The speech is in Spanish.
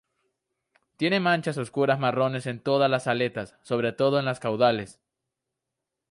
Tiene manchas oscuras marrones en todas las aletas, sobre todo en las caudales.